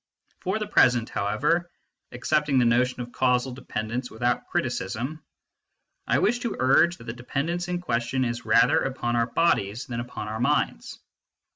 For the present, however, accepting the notion of causal dependence without criticism, I wish to urge that the dependence in question is rather upon our bodies than upon our minds.